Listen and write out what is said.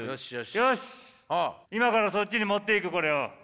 よし今からそっちに持っていくこれを。